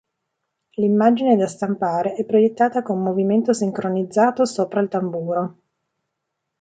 L'immagine da stampare è proiettata con movimento sincronizzato sopra al tamburo.